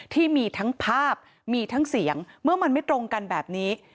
ที่มีทั้งภาพมีทั้งเสียงเมื่อมันไม่ตรงกันแบบนี้